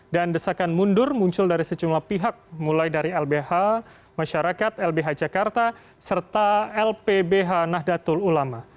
dan desakan mundur muncul dari secumlah pihak mulai dari lbh masyarakat lbh jakarta serta lpbh nahdlatul ulama